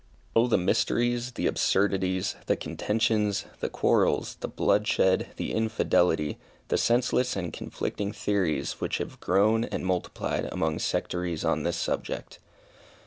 Oh the mysteries, the absurdities, the contentions, the quarrels, the bloodshed, the infidelity, the senseless and conflicting theories, which have grown and multiplied among sectaries on this subject!